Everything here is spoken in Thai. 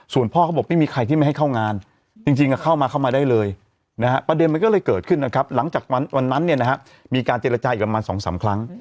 ส่วนพ่อเขาบอกไม่มีใครที่ไม่ให้เข้างานจริงเข้ามาเข้ามาได้เลยนะฮะประเด็นมันก็เลยเกิดขึ้นนะครับหลังจากวันนั้นเนี่ยนะฮะมีการเจรจาอยู่ประมาณ๒๓ครั้ง